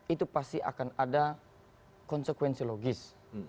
itu pasti akan ada konsekuensi logis